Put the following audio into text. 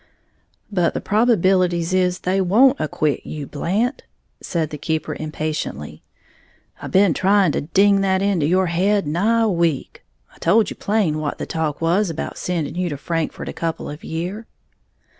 "But the probabilities is they won't acquit you, Blant," said the keeper impatiently; "I been trying to ding that into your head nigh a week. I told you plain what the talk was about sending you to Frankfort a couple of year'".